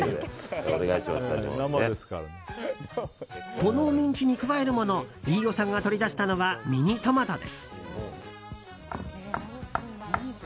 このミンチに加えるもの飯尾さんが取り出したのはミニトマトです。